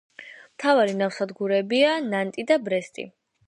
მთავარი ნავსადგურებია ნანტი და ბრესტი.